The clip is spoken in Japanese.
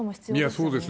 そうですね。